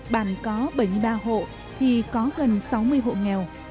bản có bảy mươi ba hộ thì có gần sáu mươi hộ nghèo